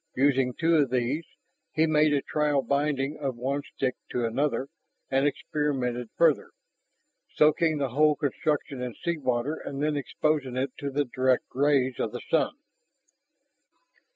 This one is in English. Using two of these, he made a trial binding of one stick to another, and experimented farther, soaking the whole construction in sea water and then exposing it to the direct rays of the sun.